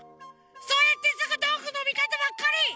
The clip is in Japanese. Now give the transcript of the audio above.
そうやってすぐどんぐーのみかたばっかり！